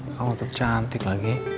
kamu tuh cantik lagi